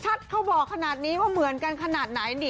เขาบอกขนาดนี้ว่าเหมือนกันขนาดไหนนี่